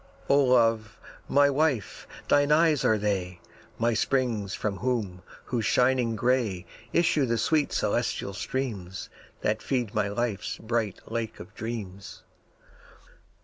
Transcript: O Love, O Wife, thine eyes are they, My springs from out whose shining gray Issue the sweet celestial streams That feed my life's bright Lake of Dreams.